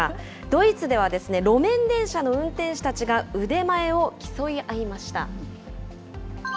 ドイツでは、路面電車の運転士たちが腕前を競い合いました。